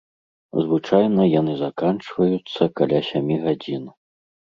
Звычайна яны заканчваюцца каля сямі гадзін.